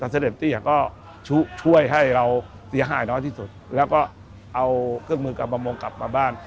เสด็จเตี้ยก็ช่วยให้เราเสียหายน้อยที่สุดแล้วก็เอาเครื่องมือกับประมงกลับมาบ้าน